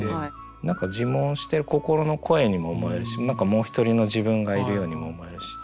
何か自問してる心の声にも思えるし何かもう一人の自分がいるようにも思えるし。